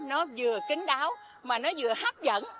nó vừa kính đáo mà nó vừa hấp dẫn